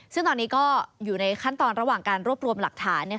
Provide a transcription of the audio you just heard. ซึ่งตอนนี้ก็อยู่ในขั้นตอนระหว่างการรวบรวมหลักฐาน